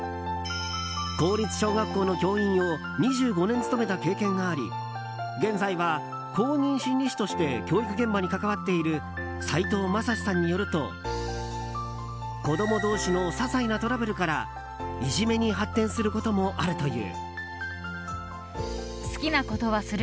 公立小学校の教員を２５年務めた経験があり現在は公認心理士として教育現場に関わっている齋藤正志さんによると子供同士の些細なトラブルからいじめに発展することもあるという。